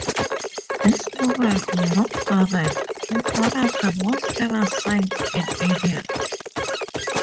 This monument, Rock Garden, is one of the most famous sites in India.